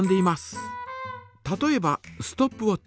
例えばストップウォッチ。